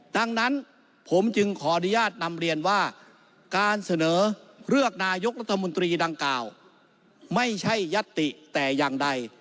ดังนั้นผมจึงขออนุญาตนำเรียนว่าการเสนอเลือกนายกรัฐมนตรีดังกล่าวไม่ใช่ยัตติแต่อย่างใด